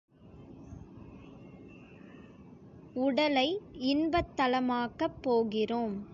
உடலை இன்பத் தலமாக்கப் போகிறோம்.